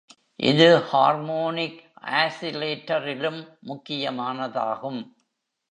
இது ஹார்மோனிக் ஆஸிலேட்டரிலும் முக்கியமானதாகும்.